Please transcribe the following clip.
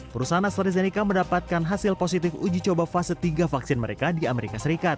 perusahaan astrazeneca mendapatkan hasil positif uji coba fase tiga vaksin mereka di amerika serikat